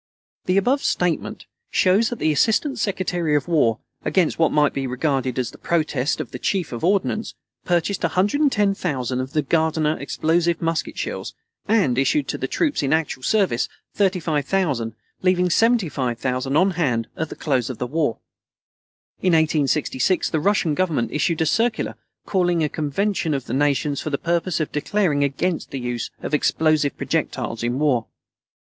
The above statement shows that the Assistant Secretary of War, against what might be regarded as the protest of the Chief of Ordnance, purchased 110,000 of the Gardiner explosive musket shells, and issued to the troops in actual service 35,000, leaving 75,000 on hand at the close of the war. In 1866 the Russian Government issued a circular calling a convention of the Nations for the purpose of declaring against the use of explosive projectiles in war.